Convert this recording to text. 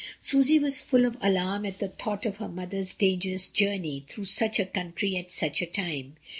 Susy was full of alarm at the thought of her mother's dangerous journey through such a country at such a time.